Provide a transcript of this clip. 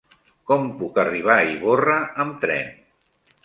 Com puc arribar a Ivorra amb tren?